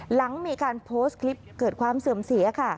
หลังมีการโพสต์คลิปเกิดความเสื่อมเสียค่ะ